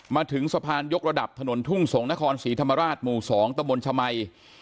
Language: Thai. มาถึงสะพานยกระดับถนนทุ่งสงศนครศรีธรรมราชหมู่๒ตะบนชมัย